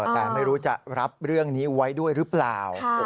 แต่ไม่รู้จะรับเรื่องนี้ไว้ด้วยหรือเปล่า